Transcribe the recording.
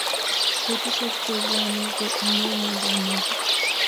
Petushek che buani Ko inyoni ko negit